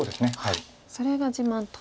それが自慢と。